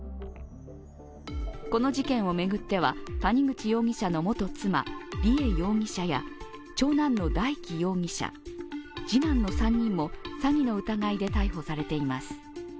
この事件を巡っては、谷口容疑者の元妻・梨恵容疑者や長男の大祈容疑者、次男の３人も詐欺の疑いで逮捕されています。